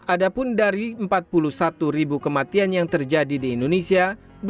ada pun dari empat puluh satu ribu kematian yang terjadi di indonesia